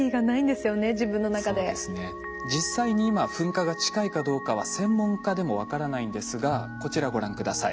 実際に今噴火が近いかどうかは専門家でも分からないんですがこちらご覧下さい。